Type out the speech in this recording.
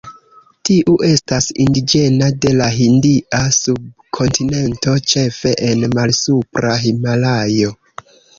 Tiu estas indiĝena de la Hindia subkontinento, ĉefe en Malsupra Himalajo.